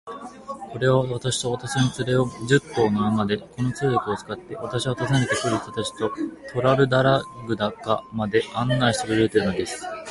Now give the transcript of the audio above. それは、私と私の連れを、十頭の馬で、この通訳を使って、私は訪ねて来る人たちとトラルドラグダカまで案内してくれるというのです。